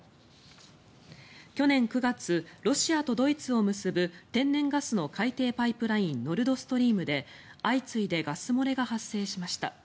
去年９月、ロシアとドイツを結ぶ天然ガスの海底パイプラインノルド・ストリームで相次いでガス漏れが発生しました。